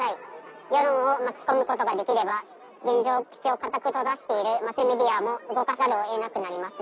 世論を巻き込むことができれば現状口を硬く閉ざしているマスメディアも動かざるを得なくなります。